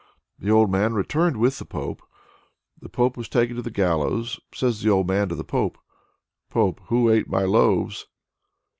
The old man returned with the Pope. The Pope was taken to the gallows. Says the old man to the Pope: "Pope! who ate my loaves?"